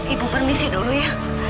ibu permisi dulu ya